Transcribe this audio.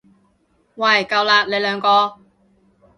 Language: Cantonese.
喂夠喇，你兩個！